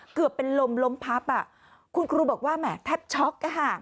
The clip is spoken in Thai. เกือบเป็นลมล้มพับคุณครูบอกว่าแหมแทบช็อก